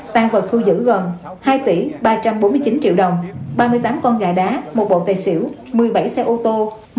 tăng vật thu giữ gồm hai tỷ ba trăm bốn mươi chín triệu đồng ba mươi tám con gà đá một bộ tài xỉu một mươi bảy xe ô tô